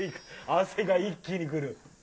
汗が一気に出る。